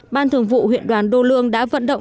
ban thường vụ huyện đoàn đô lương đã vận động